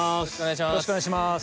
よろしくお願いします。